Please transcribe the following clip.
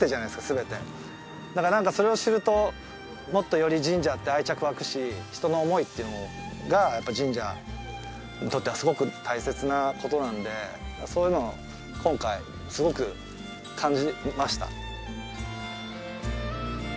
全てだから何かそれを知るともっとより神社って愛着湧くし人の思いっていうものがやっぱり神社にとってはすごく大切なことなんでそういうのを今回すごく感じました